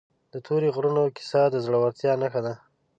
د تورې غرونو کیسه د زړورتیا نښه ده.